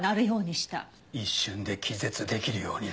一瞬で気絶できるようにな。